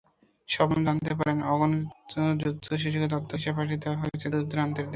শবনম জানতে পারেন, অগণিত যুদ্ধশিশুকে দত্তক হিসেবে পাঠিয়ে দেওয়া হয়েছে দূরদূরান্তের দেশে।